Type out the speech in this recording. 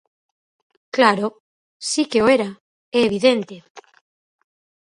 Claro, si que o era, é evidente.